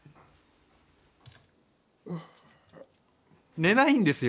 寝ないんですよ。